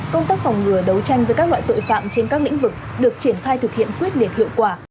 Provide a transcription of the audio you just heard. công tác phòng ngừa đấu tranh với các loại tội phạm trên các lĩnh vực được triển khai thực hiện quyết liệt hiệu quả